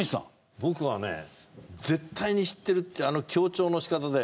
僕はね「絶対に知ってる」ってあの強調の仕方で。